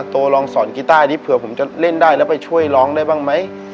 ลองสอนกีต้านี้เผื่อผมจะเล่นได้แล้วไปช่วยร้องได้บ้างไหม